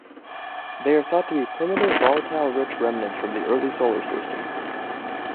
They are thought to be primitive, volatile-rich remnants from the early Solar System.